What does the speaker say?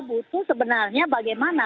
butuh sebenarnya bagaimana